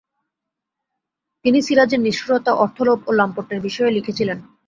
তিনি সিরাজের নিষ্ঠুরতা, অর্থলোভ ও লাম্পট্যের বিষয়ে লিখেছিলেন।